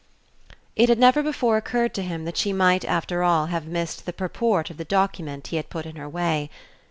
XIII It had never before occurred to him that she might, after all, have missed the purport of the document he had put in her way.